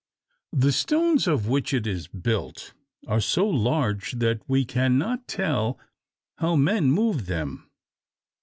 The stones of which it is built are so large that we cannot tell how men moved them.